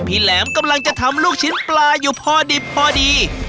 พี่แหลมกำลังจะทำลูกชิ้นปลาอยู่พอดี